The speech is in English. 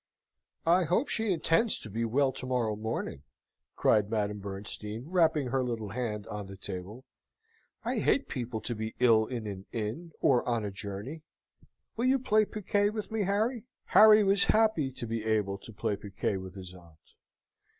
"I hope she intends to be well to morrow morning," cried Madame Bernstein, rapping her little hand on the table. "I hate people to be ill in an inn, or on a journey. Will you play piquet with me, Harry?" Harry was happy to be able to play piquet with his aunt.